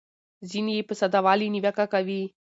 ځینې یې په ساده والي نیوکه کوي.